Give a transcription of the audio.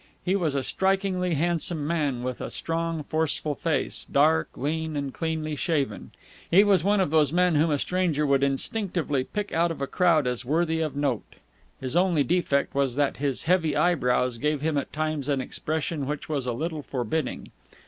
He was a strikingly handsome man, with a strong, forceful face, dark, lean and cleanly shaven. He was one of those men whom a stranger would instinctively pick out of a crowd as worthy of note. His only defect was that his heavy eyebrows gave him at times an expression which was a little forbidding.